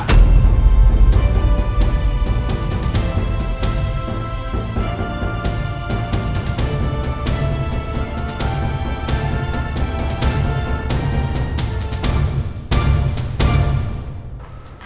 ini baru seberapa